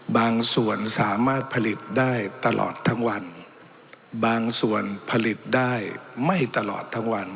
บางส่วนสามารถผลิตได้ตลอดทั้งวันบางส่วนผลิตได้ไม่ตลอดทั้งวัน